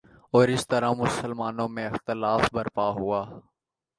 اور اس طرح مسلمانوں میں اختلاف برپا ہوا